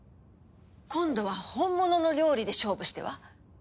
今度は本物の料理で勝負しては？